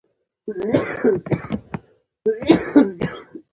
دغه پروسه له شپږو عملي پړاوونو رغېدلې ده.